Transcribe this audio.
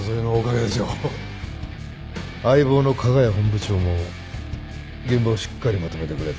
相棒の加賀谷本部長も現場をしっかりまとめてくれて。